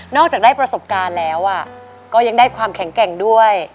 จากได้ประสบการณ์แล้วก็ยังได้ความแข็งแกร่งด้วย